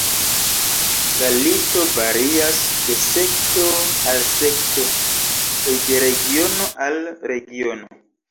La listo varias de sekto al sekto, kaj de regiono al regiono.